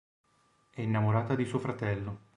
È innamorata di suo fratello.